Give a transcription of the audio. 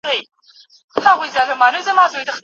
ښونځي کولی شي د رواني ملاتړ یوه وسیله وي.